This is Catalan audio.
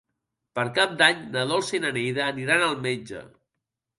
Per Cap d'Any na Dolça i na Neida aniran al metge.